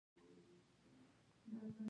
ځکه په دې نړۍ کې زه او ته بل هېڅوک نه لرو.